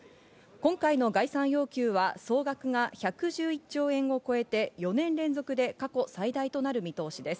今回の概算要求は総額が１１１兆円を超えて４年連続で過去最大となる見通しです。